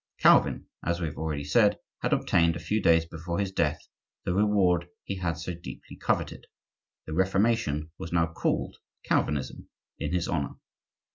Calvin, as we have already said, had obtained, a few days before his death, the reward he had so deeply coveted,—the Reformation was now called Calvinism in his honor.